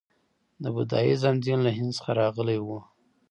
د بودیزم دین له هند څخه راغلی و